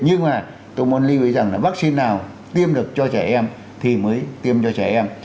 nhưng mà tôi muốn lưu ý rằng là vaccine nào tiêm được cho trẻ em thì mới tiêm cho trẻ em